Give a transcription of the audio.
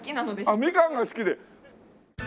あっみかんが好きで。